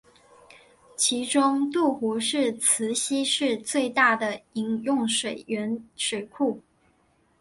其中里杜湖是慈溪市最大的饮用水源水库。